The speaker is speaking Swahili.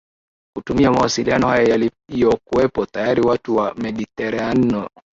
kutumia mawasiliano hayo yaliyokuwepo tayari Watu wa Mediteraneo